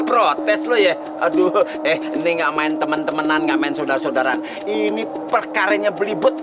protes lu ya aduh eh ini enggak main temen temenan gak main saudara saudara ini perkara nya belibet